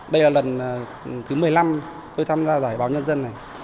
đây là lần thứ một mươi năm tôi tham gia giải báo nhân dân này